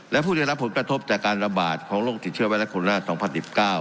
และผู้ได้รับผลกระทบจากการระบาดของโรคติดเชื้อไวรัสโคราช๒๐๑๙